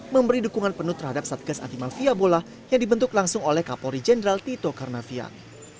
memberi dukungan penuh terhadap satgas anti mafia bola yang dibentuk langsung oleh kapolri jenderal tito karnavian